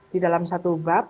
di dalam satu bab